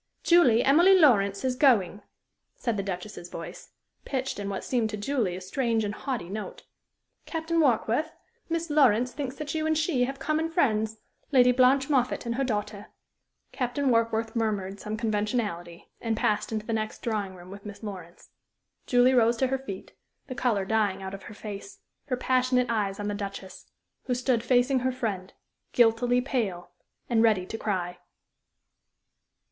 "Julie, Emily Lawrence is going," said the Duchess's voice, pitched in what seemed to Julie a strange and haughty note. "Captain Warkworth, Miss Lawrence thinks that you and she have common friends Lady Blanche Moffatt and her daughter." Captain Warkworth murmured some conventionality, and passed into the next drawing room with Miss Lawrence. Julie rose to her feet, the color dying out of her face, her passionate eyes on the Duchess, who stood facing her friend, guiltily pale, and ready to cry.